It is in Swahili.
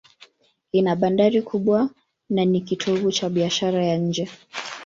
Ina bandari kubwa na ni kitovu cha biashara ya nje.